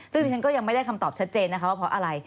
ซึ่งที่ฉันก็ยังไม่ได้คำตอบชัดเจนนะคะว่าเพราะอะไร